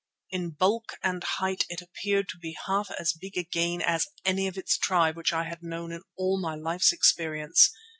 In bulk and height it appeared to be half as big again as any of its tribe which I had known in all my life's experience.